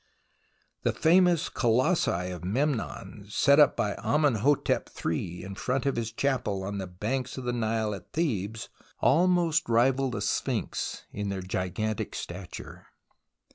The famous Colossi of Memnon, set up by Amenhotep iii in front of his chapel on the bank of the Nile at Thebes, almost rival the Sphinx in their gigantic stature.